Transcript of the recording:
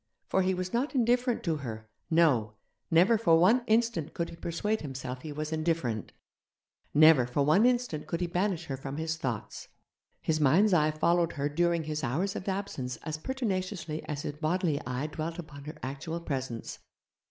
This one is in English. For he was not indifferent to her no, never for one instant could he persuade himself he was indifferent, never for one instant could he banish her from his thoughts. His mind's eye followed her during his hours of absence as pertinaciously as his bodily eye dwelt upon her actual presence.